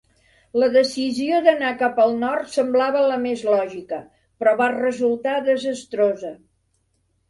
La decisió d'anar cap al nord semblava la més lògica, però va resultar desastrosa.